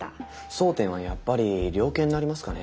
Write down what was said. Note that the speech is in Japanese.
争点はやっぱり量刑になりますかね。